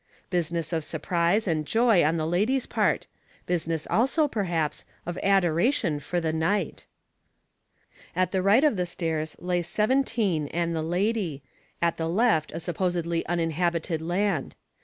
Business of surprise and joy on the lady's part business also, perhaps, of adoration for the knight. At the right of the stairs lay seventeen and the lady, at the left a supposedly uninhabited land.